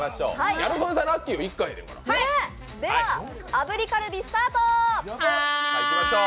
では、炙りカルビスタート。